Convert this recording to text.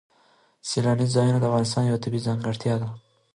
سیلانی ځایونه د افغانستان یوه طبیعي ځانګړتیا ده.